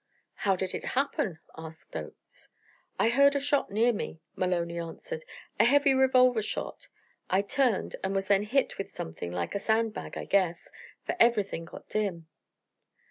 "How did it happen?" asked Oakes. "I heard a shot near me," Maloney answered, "a heavy revolver shot. I turned, and was then hit with something like a sand bag, I guess, for everything got dim."